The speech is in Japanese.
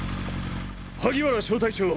萩原小隊長！